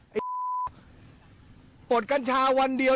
ปลดกัญชาวันเดียว